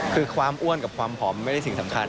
คือความอ้วนกับความผอมไม่ได้สิ่งสำคัญ